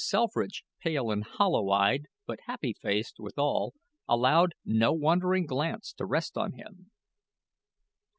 Selfridge, pale and hollow eyed, but happy faced, withal, allowed no wandering glance to rest on him.